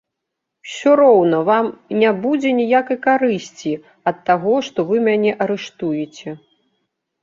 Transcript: Усё роўна вам не будзе ніякай карысці ад таго, што вы мяне арыштуеце.